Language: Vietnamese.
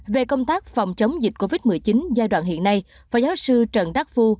về công tác phòng chống dịch covid một mươi chín giai đoạn hiện nay phó giáo sư trần đắc phu